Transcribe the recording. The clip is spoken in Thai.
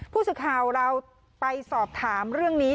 ผู้สื่อข่าวเราไปสอบถามเรื่องนี้